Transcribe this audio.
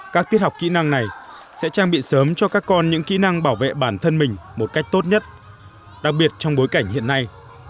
các tiết học kỹ năng này sẽ trang bị sớm cho các con những kỹ năng bảo vệ bản thân mình một cách tốt nhất đặc biệt trong bối cảnh hiện nay